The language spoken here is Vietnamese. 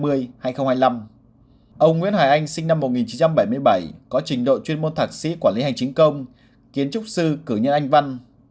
ông nguyễn hải anh sinh năm một nghìn chín trăm bảy mươi bảy có trình độ chuyên môn thạc sĩ quản lý hành chính công kiến trúc sư cử nhân anh văn